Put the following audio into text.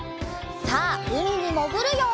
さあうみにもぐるよ！